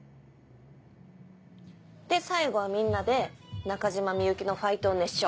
最後はみんなで中島みゆきの『ファイト！』を熱唱。